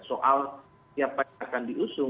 soal siapa yang akan diusung